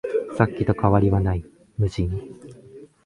さっきと変わりはない、無人